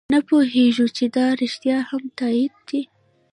نه پوهېږو چې دا رښتیا هم تایید دی.